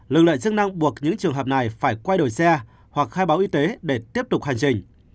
lực lượng chức năng buộc những trường hợp này phải quay đổi xe hoặc khai báo y tế để tiếp tục hành trình